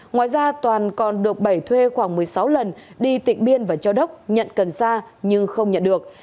ngoài ra toàn còn được bảy thuê khoảng một mươi sáu lần đi tịnh biên và cho đốc nhận cần sa nhưng không nhận được